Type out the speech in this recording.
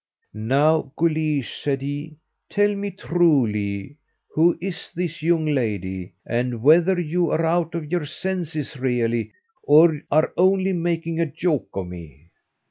"Now, Guleesh," said he, "tell me truly who is this young lady, and whether you're out of your senses really, or are only making a joke of me."